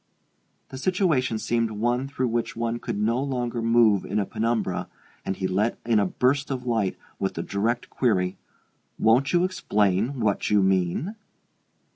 The situation seemed one through which one could no longer move in a penumbra, and he let in a burst of light with the direct query: "Won't you explain what you mean?"